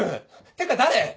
てか誰！？